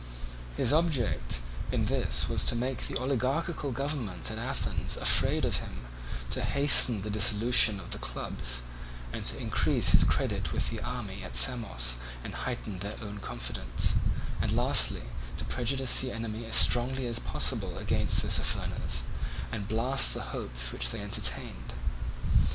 His object in this was to make the oligarchical government at Athens afraid of him, to hasten the dissolution of the clubs, to increase his credit with the army at Samos and heighten their own confidence, and lastly to prejudice the enemy as strongly as possible against Tissaphernes, and blast the hopes which they entertained.